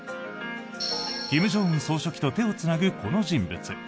金正恩総書記と手をつなぐこの人物。